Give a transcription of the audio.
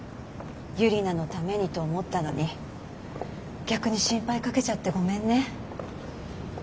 ユリナのためにと思ったのに逆に心配かけちゃってごめんね。